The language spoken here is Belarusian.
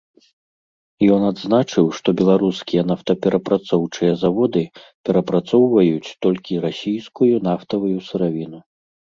Ён адзначыў, што беларускія нафтаперапрацоўчыя заводы перапрацоўваюць толькі расійскую нафтавую сыравіну.